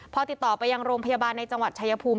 พอติดต่อไปยังโรงพยาบาลในจังหวัดชายภูมิ